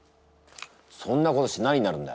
そんなことして何になるんだ！